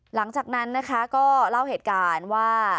หลังจากนั้นนะคะก็เล่าเหตุการณ์ว่า